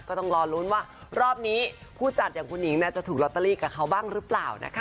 ก็ต้องรอลุ้นว่ารอบนี้ผู้จัดอย่างคุณหญิงจะถูกลอตเตอรี่กับเขาบ้างหรือเปล่านะคะ